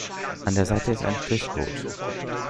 An der Seite ist ein Strichcode.